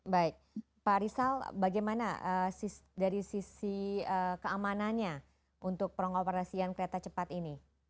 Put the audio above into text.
baik pak rizal bagaimana dari sisi keamanannya untuk pengoperasian kereta cepat ini